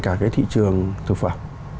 cả cái thị trường thực phẩm